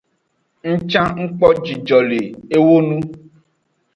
Ng can ng kpo jijo le ewo ngu.